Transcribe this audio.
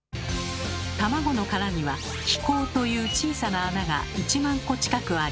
卵の殻には「気孔」という小さな穴が１万個近くあり